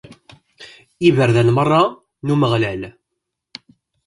Iberdan merra n Umeɣlal.